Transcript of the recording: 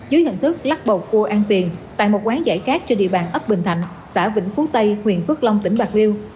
dưới hình thức lắc bầu cua ăn tiền tại một quán giải khác trên địa bàn ấp bình thạnh xã vĩnh phú tây huyện phước long tỉnh bạc liêu